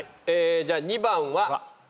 じゃあ２番は。